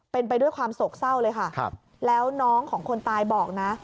เป็นไปด้วยความโศกเศร้าเลยค่ะแล้วน้องของคนตายบอกนะ